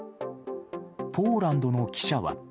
ポーランドの記者は。